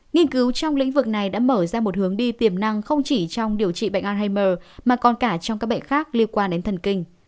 nghiên cứu trong lĩnh vực này đã mở ra một hướng đi tiềm năng không chỉ trong điều trị bệnh alim mà còn cả trong các bệnh khác liên quan đến thần kinh